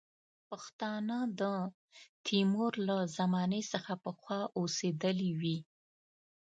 پښتانه د تیمور له زمانې څخه پخوا اوسېدلي وي.